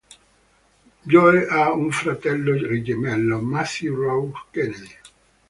Joe ha un fratello gemello, Matthew Rauch Kennedy.